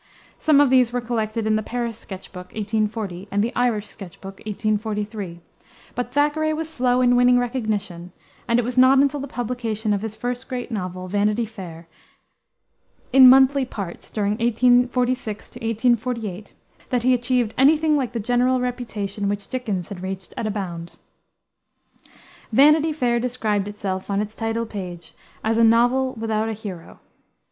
Some of these were collected in the Paris Sketch Book, 1840, and the Irish Sketch Book, 1843; but Thackeray was slow in winning recognition, and it was not until the publication of his first great novel, Vanity Fair, in monthly parts, during 1846 1848, that he achieved any thing like the general reputation which Dickens had reached at a bound. Vanity Fair described itself, on its title page, as "a novel without a hero."